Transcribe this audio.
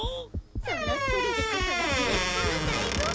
そのスリルこそがグレスポの醍醐味